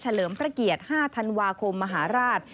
เลิมพระเกียรติ๕ธันวาคมมหาราช